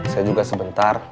saya juga sebentar